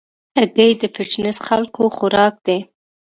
هګۍ د فټنس خلکو خوراک دی.